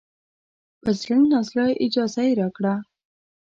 په زړه نازړه اجازه یې راکړه.